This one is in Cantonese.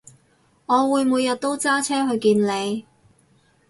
我會每日都揸車去見你